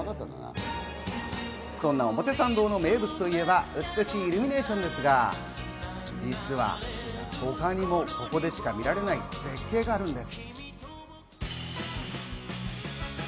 そんな表参道の名物といえば美しいイルミネーションですが、実は他にもここでしか見られない絶景があるんです。